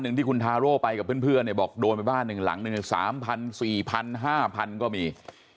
ที่คุณทาโร่ไปกับเพื่อนเนี่ยบอกโดนไปบ้านหนึ่งหลังหนึ่ง๓๐๐๔๐๐๕๐๐ก็มี